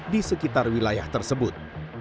di sekitar wilayah tersebut